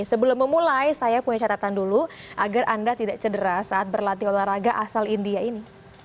sebelum memulai saya punya catatan dulu agar anda tidak cedera saat berlatih olahraga asal india ini